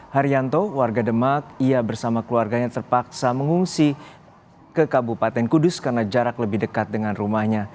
haryanto warga demak ia bersama keluarganya terpaksa mengungsi ke kabupaten kudus karena jarak lebih dekat dengan rumahnya